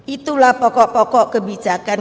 itulah pokok pokok kebijakan